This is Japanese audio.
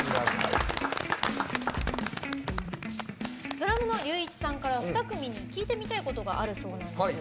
ドラムのりゅーいちさんから２組に聞いてみたいことがあるそうなんです。